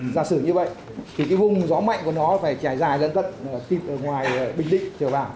giả sử như vậy thì cái vùng gió mạnh của nó phải trải dài dẫn tận khi ở ngoài bình định trở vào